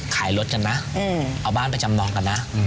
ขายรถกันนะเอาบ้านไปจำนองกันนะ